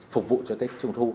phục vụ cho tết trung thu